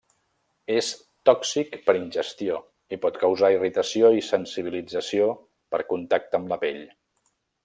És tòxic per ingestió i pot causar irritació i sensibilització per contacte amb la pell.